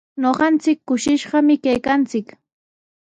Ñuqanchik kushishqami kaykanchik.